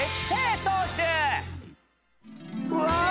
うわ！